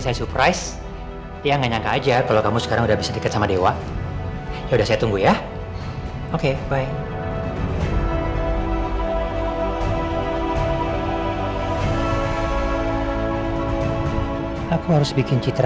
tapi gak apa apa aku suka kamu jujur seperti ini